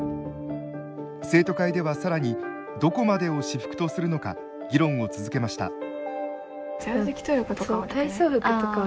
生徒会では更にどこまでを私服とするのか議論を続けました。